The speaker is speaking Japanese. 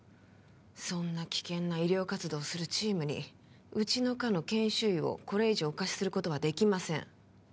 そんな危険な医療活動をするチームにうちの科の研修医をこれ以上お貸しすることはできません